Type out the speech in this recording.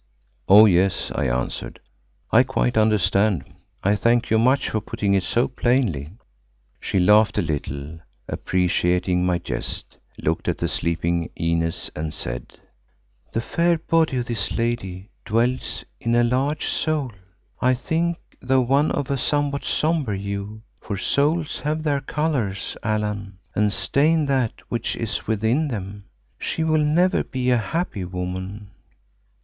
"Oh! yes," I answered, "I quite understand. I thank you much for putting it so plainly." She laughed a little, appreciating my jest, looked at the sleeping Inez, and said, "The fair body of this lady dwells in a large soul, I think, though one of a somewhat sombre hue, for souls have their colours, Allan, and stain that which is within them. She will never be a happy woman."